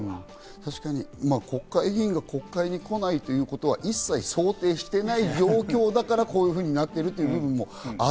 確かに国会議員が国会に来ないということは一切、想定していない状況だから、こういうふうになっているということもある。